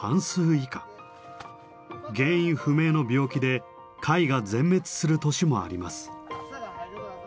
原因不明の病気で貝が全滅する年もあります。